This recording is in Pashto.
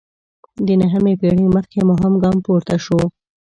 د نهمې پېړۍ مخکې مهم ګام پورته شو.